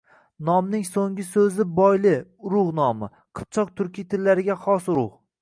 Nomning so‘nggi so‘zi boyli – urug‘ nomi. Qipchoq turkiy tillari ga xos urug‘